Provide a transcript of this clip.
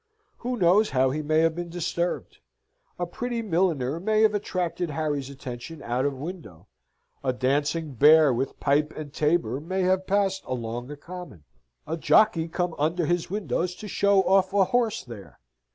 Who knows how he may have been disturbed? A pretty milliner may have attracted Harry's attention out of window a dancing bear with pipe and tabor may have passed along the common a jockey come under his windows to show off a horse there?